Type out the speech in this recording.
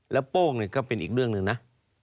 แล้วโป้งก็เป็นอีกเรื่องหนึ่งนะ